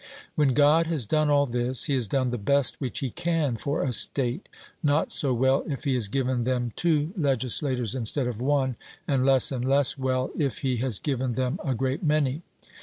When God has done all this, He has done the best which He can for a state; not so well if He has given them two legislators instead of one, and less and less well if He has given them a great many.